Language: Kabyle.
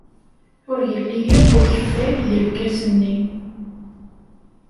Ur yelli akk ukeffay deg lkas-nni.